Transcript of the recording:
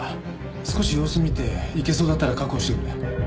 少し様子見ていけそうだったら確保してくれ。